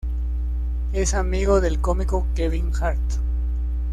Es amigo del cómico Kevin Hart.